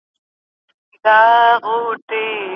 کورنۍ به باوري شي.